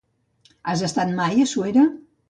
Has estat mai a Suera?